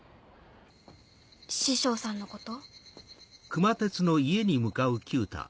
師匠さんのこと？